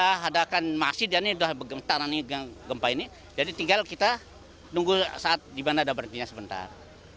ya hadakan masjid ini sudah gempa ini jadi tinggal kita tunggu saat dimana ada berhentinya sebentar